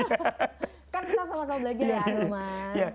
kan kita sama sama belajar ya ahilman